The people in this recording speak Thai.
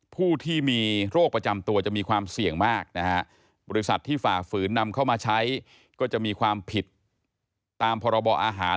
ผู้ที่มีโรคประจำตัวจะมีความเสี่ยงมากนะฮะบริษัทที่ฝ่าฝืนนำเข้ามาใช้ก็จะมีความผิดตามพรบอาหาร